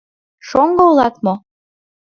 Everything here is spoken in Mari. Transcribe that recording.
Шоҥго улат мо?